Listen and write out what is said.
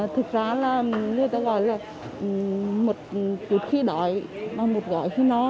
thực ra là người ta gọi là một chút khi đói và một gọi khi no